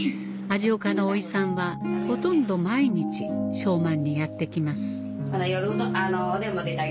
味岡のおいさんはほとんど毎日昌万にやって来ますほな